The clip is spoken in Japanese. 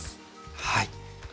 はい。